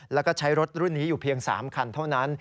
แล้วก็ใช้รถรุ่นนี้อยู่เพียง๓คันเท่านั้น